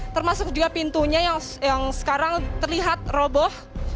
termasuk juga pintunya yang sekarang terlihat roboh